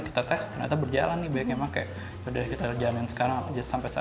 kita tes ternyata berjalan nih banyak yang pake